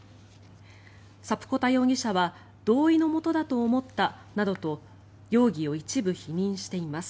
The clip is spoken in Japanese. サプコタ容疑者は同意のもとだと思ったなどと容疑を一部否認しています。